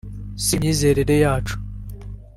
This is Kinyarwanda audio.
si imyizerere yacu